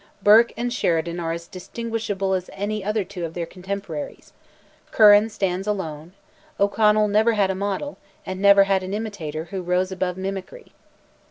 Burke and Sheridan are as distinguishable as any other two of their contemporaries; Curran stands alone; O'Connell never had a model, and never had an imitator who rose above mimicry.